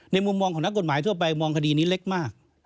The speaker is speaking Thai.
มุมมองของนักกฎหมายทั่วไปมองคดีนี้เล็กมาก